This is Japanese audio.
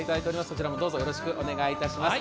そちらもどうぞよろしくお願いいたします。